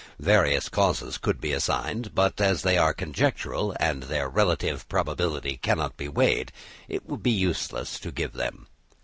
Various causes could be assigned; but as they are conjectural, and their relative probability cannot be weighed, it would be useless to give them.